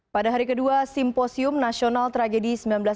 pada hari kedua simposium nasional tragedi seribu sembilan ratus sembilan puluh